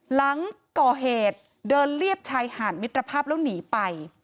หลังก่อเหตุเดินเรียบชายหาดมิตรภาพแล้วหนีไป